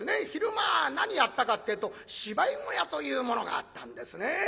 昼間は何やったかってえと芝居小屋というものがあったんですね。